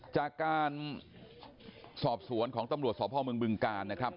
จากการสอบสวนของตำรวจสพเมืองบึงกาลนะครับ